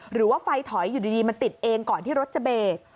หรือว่าไฟถอยอยู่ดีมันติดเองก่อนที่รถจะเบรก